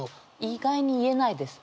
意外に言えないです。